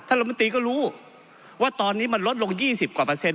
ท่านรมนตรีก็รู้ว่าตอนนี้มันลดลงยี่สิบกว่าเปอร์เซ็นต์